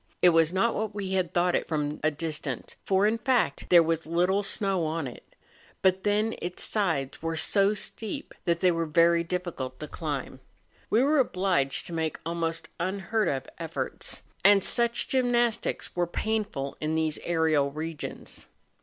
It was not what we had thought it from a distance, for, in fact, there was little snow on it; but then its sides were so steep that they were very diffi¬ cult to climb. We were obliged to make almost unheard of efforts, and such gymnastics are painful in these aerial regions.